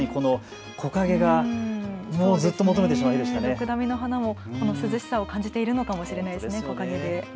ドクダミの花もこの涼しさを感じているのかもしれませんね、木陰で。